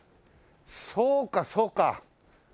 そうかそうか。